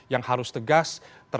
yang harus tegas